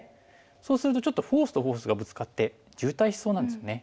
そうするとちょっとフォースとフォースがぶつかって渋滞しそうなんですよね。